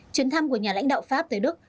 chuyến thăm của nhà lãnh đạo pháp tới đức